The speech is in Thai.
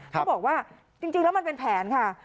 เขาบอกว่าจริงแล้วมันเป็นแผนค่ะ